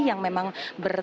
yang memang bertahan